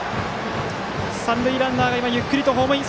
三塁ランナーがゆっくりとホームイン。